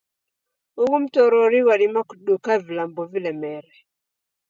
Ughu mtorori ghwadima kuduka vilambo vilemere.